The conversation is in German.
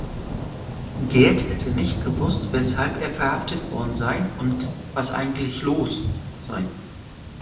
Gerth hätte nicht gewusst, weshalb er verhaftet worden sei und „was eigentlich los“ sei.